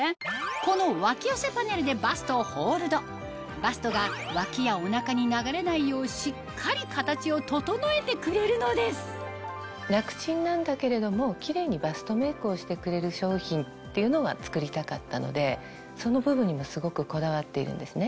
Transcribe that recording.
この脇寄せパネルでバストをホールドバストが脇やおなかに流れないようしっかり形を整えてくれるのですをしてくれる商品っていうのが作りたかったのでその部分にもすごくこだわっているんですね。